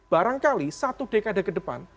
barangkali satu dekade ke depan